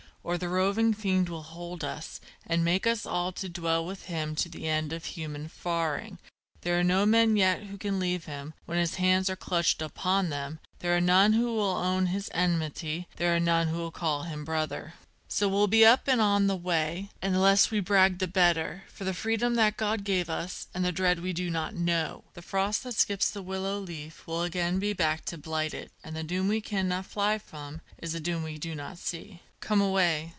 or the roving fiend will hold us, And make us all to dwell with him to the end of human faring: There are no men yet can leave him when his hands are clutched upon them, There are none will own his enmity, there are none will call him brother. So we'll be up and on the way, and the less we brag the better For the freedom that God gave us and the dread we do not know: The frost that skips the willow leaf will again be back to blight it, And the doom we cannot fly from is the doom we do not see. _Come away!